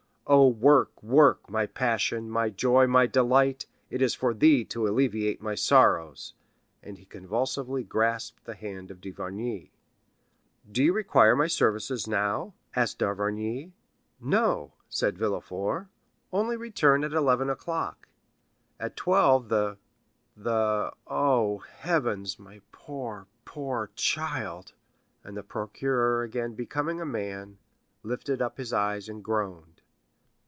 Oh, work, work,—my passion, my joy, my delight,—it is for thee to alleviate my sorrows!" and he convulsively grasped the hand of d'Avrigny. "Do you require my services now?" asked d'Avrigny. "No," said Villefort; "only return again at eleven o'clock; at twelve the—the—oh, Heavens, my poor, poor child!" and the procureur again becoming a man, lifted up his eyes and groaned.